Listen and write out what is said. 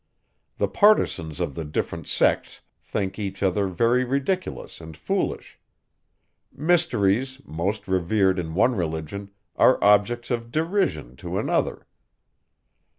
The partisans of the different sects think each other very ridiculous and foolish. Mysteries, most revered in one religion, are objects of derision to another.